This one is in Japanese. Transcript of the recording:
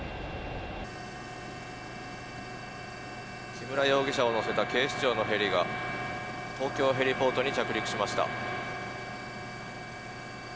木村容疑者を乗せた警視庁のヘリが東京ヘリポートに着陸しました。